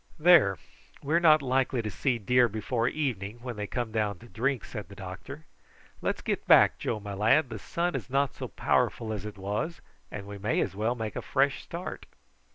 "There, we are not likely to see deer before evening when they come down to drink," said the doctor. "Let's get back, Joe, my lad, the sun is not so powerful as it was, and we may as well make a fresh start."